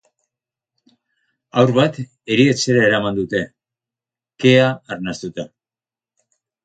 Haur bat erietxera eraman dute, kea arnastuta.